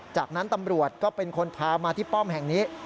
จากนั้นตำรวจก็เป็นคนพามาที่ป้อมแห่งนี้